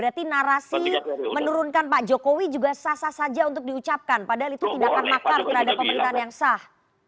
jadi narasi menurunkan pak jokowi juga sasar saja untuk diucapkan padahal itu tindakan makar terhadap pemerintahan yang sah